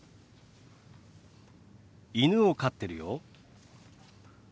犬を飼ってるよ。